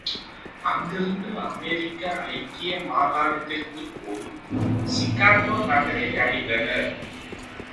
அங்கிருந்து அமெரிக்க ஐக்கிய மாகாணத்திற்குப் போய், சிக்காகோ நகரையடைந்தனர்.